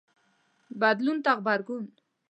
بدلون ته غبرګون